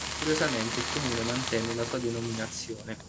Curiosamente, il Comune mantenne la sua denominazione.